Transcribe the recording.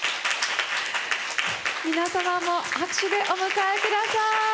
皆様も拍手でお迎えください。